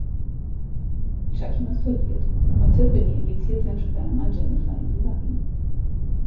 Chucky masturbiert und Tiffany injiziert sein Sperma Jennifer in die Vagina.